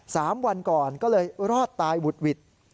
สามวันก่อนก็เลยรอดตายหวุดหวิด